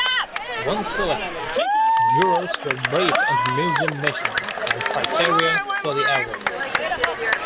Once selected, jurors are briefed on the Museum mission and criteria for the Awards.